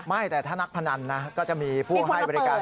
ไม่แต่ถ้านักพนันนะก็จะมีผู้ให้บริการ